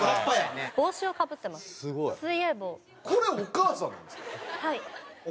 はい。